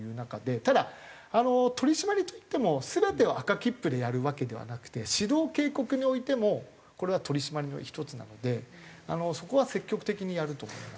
ただ取り締まりといっても全てを赤切符でやるわけではなくて指導警告においてもこれは取り締まりの１つなのでそこは積極的にやると思いますね。